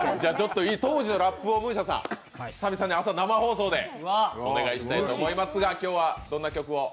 当時のラップを久々に朝、生放送でお願いしたいんですが今日はどんな曲を？